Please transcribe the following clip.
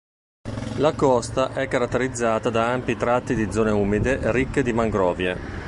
La costa è caratterizzata da ampi tratti di zone umide ricche di mangrovie.